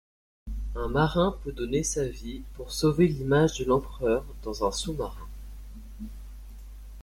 Un marin peut donner sa vie pour sauver l'image de l'empereur dans un sous-marin.